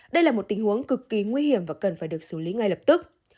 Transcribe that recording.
đây là một tình huống cực kỳ nguy hiểm và cần phải được xử lý ngay lập tức